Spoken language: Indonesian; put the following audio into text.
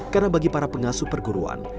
karena bagi para pengasuh perguruan